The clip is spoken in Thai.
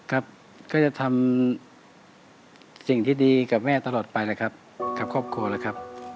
ครับก็จะทำสิ่งที่ดีกับแม่ตลอดไปเลยครับกับครอบครัวแล้วครับ